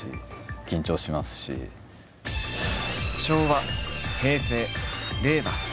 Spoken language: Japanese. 昭和平成令和。